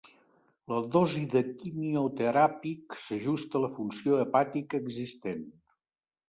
La dosi de quimioteràpic s'ajusta a la funció hepàtica existent.